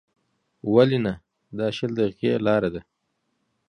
ولې نه، دا شل دقیقې لاره ده.